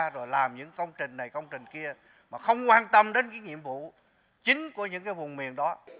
rồi làm những công trình này công trình kia mà không quan tâm đến cái nhiệm vụ chính của những cái vùng miền đó